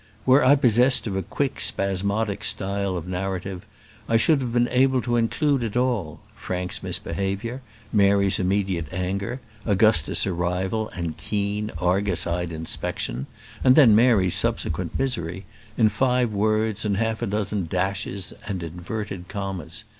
Were I possessed of a quick spasmodic style of narrative, I should have been able to include it all Frank's misbehaviour, Mary's immediate anger, Augusta's arrival, and keen, Argus eyed inspection, and then Mary's subsequent misery in five words and half a dozen dashes and inverted commas.